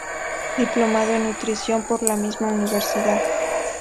Diplomado en Nutrición por la misma Universidad.